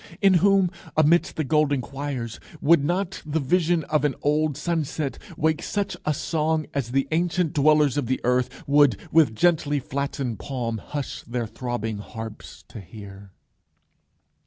In whom, amidst the golden choirs, would not the vision of an old sunset wake such a song as the ancient dwellers of the earth would with gently flattened palm hush their throbbing harps to hear?